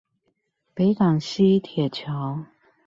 北港溪鐵橋